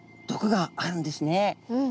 うん。